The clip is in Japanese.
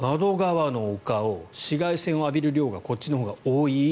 助手席側のお顔窓側のお顔紫外線を浴びる量がこっちのほうが多い。